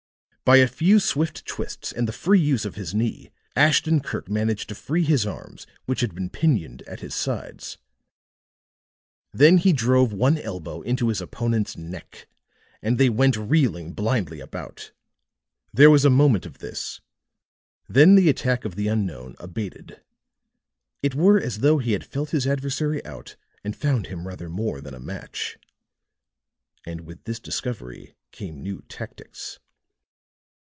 By a few swift twists and the free use of his knee, Ashton Kirk managed to free his arms which had been pinioned at his sides; then he drove one elbow into his opponent's neck, and they went reeling blindly about. There was a moment of this, then the attack of the unknown abated; it were as though he had felt his adversary out and found him rather more than a match. And with this discovery came new tactics.